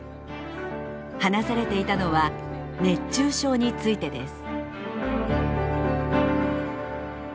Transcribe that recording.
話されていたのは熱中症についてです。